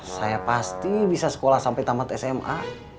saya pasti bisa sekolah sampai tamat sma